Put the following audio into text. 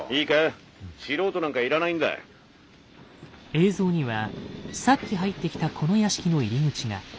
映像にはさっき入ってきたこの屋敷の入り口が。